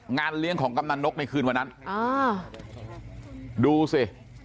งานเลี้ยงของกำนันนกในคืนวันนั้นอ่าดูสิ